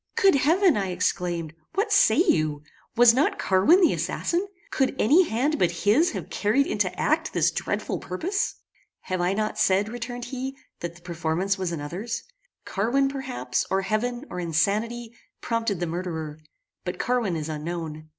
"Good heaven!" I exclaimed, "what say you? Was not Carwin the assassin? Could any hand but his have carried into act this dreadful purpose?" "Have I not said," returned he, "that the performance was another's? Carwin, perhaps, or heaven, or insanity, prompted the murderer; but Carwin is unknown.